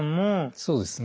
そうですね。